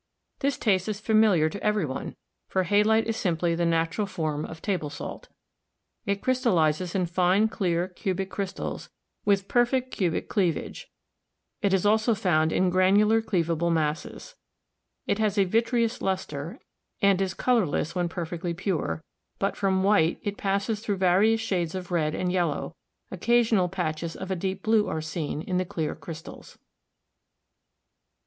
This taste is familiar to every one, for halite is simply the natural form of table salt. It crystallizes in fine clear cubic crystals with perfect cubic cleavage ; it is also found in granular cleavable masses. It has a vitreous luster, and it is colorless when perfectly pure, but from white it passes through various shades of red and yellow; occasional patches of a deep blue are seen in the clear crystals.